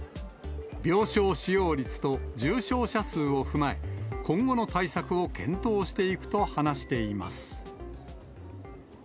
病床使用率と重症者数を踏まえ、今後の対策を検討していくと話しています。